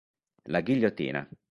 La ghigliottina